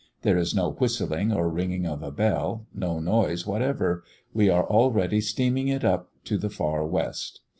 There is no whistling or ringing of a bell, no noise whatever. We are already steaming it up to the far west.